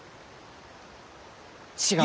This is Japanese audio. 違う。